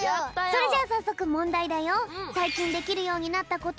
それじゃあさっそくもんだいだよ。